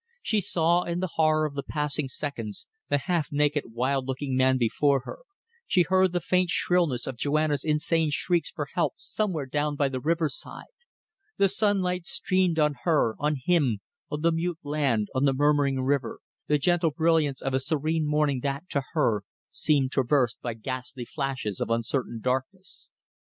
She saw in the horror of the passing seconds the half naked, wild looking man before her; she heard the faint shrillness of Joanna's insane shrieks for help somewhere down by the riverside. The sunlight streamed on her, on him, on the mute land, on the murmuring river the gentle brilliance of a serene morning that, to her, seemed traversed by ghastly flashes of uncertain darkness.